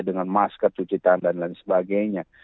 dengan masker cuci tangan dan sebagainya